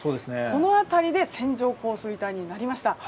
この辺りで線状降水帯になりました。